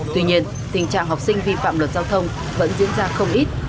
tuy nhiên tình trạng học sinh vi phạm luật giao thông vẫn diễn ra không ít